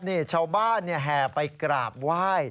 นี่ชาวบ้านแห่ไปกราบไหว้